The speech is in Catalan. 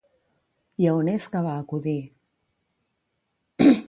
I a on és que va acudir?